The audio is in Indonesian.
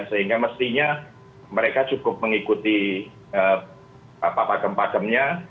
sehingga mestinya mereka cukup mengikuti apa apa kempasemnya